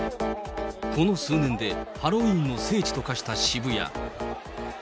この数年で、ハロウィーンの聖地と化した渋谷。